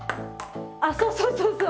あっそうそうそうそう。